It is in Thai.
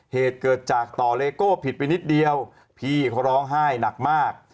เหตุเกิดจากต่อเลโก้ผิดไปนิดเดียวพี่เขาร้องไห้หนักมาก